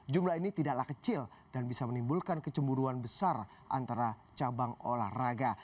jumlah ini tidaklah kecil dan bisa menimbulkan kecemburuan besar antara cabang olahraga